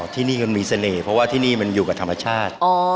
ที่นี่มันมีเสน่ห์เพราะว่าที่นี่มันอยู่กับธรรมชาติ